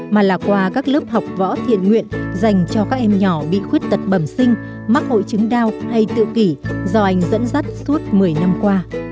mà là qua các lớp học võ thiện nguyện dành cho các em nhỏ bị khuyết tật bẩm sinh mắc hội chứng đau hay tự kỷ do anh dẫn dắt suốt một mươi năm qua